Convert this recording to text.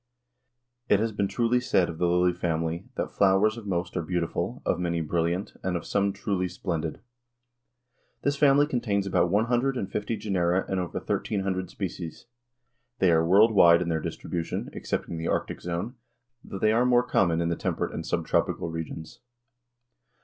It has been truly said of the lily family that "the flowers of most are beautiful, of many brilliant, and of some truly splendid." This family contains about one hundred and fifty genera and over thirteen hundred species. They are world wide in their distribution, excepting the Arctic zone, though they are more common in the temperate and subtropical regions.